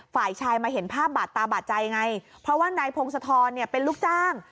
ฝ่ายชายมาเห็นภาพบาดตาบาดใจไงเพราะว่านายพงศธรเนี่ยเป็นลูกจ้าง